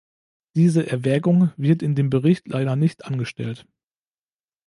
Diese Erwägung wird in dem Bericht leider nicht angestellt.